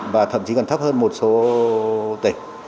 và thậm chí còn thấp hơn một số tỉnh